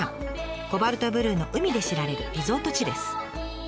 コバルトブルーの海で知られるリゾート地です。